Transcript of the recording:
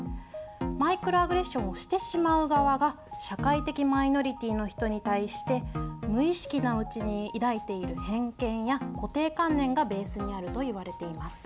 マイクロアグレッションをしてしまう側が社会的マイノリティーの人に対して無意識のうちに抱いている偏見や固定観念がベースにあるといわれています。